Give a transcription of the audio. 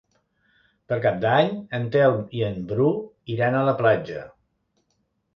Per Cap d'Any en Telm i en Bru iran a la platja.